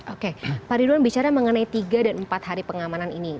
oke pak ridwan bicara mengenai tiga dan empat hari pengamanan ini